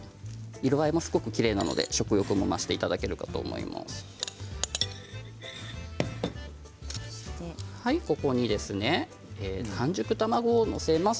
色合いもすごくきれいなので食欲も増していただけるかと思います。